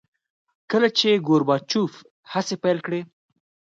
کله چې ګورباچوف هڅې پیل کړې.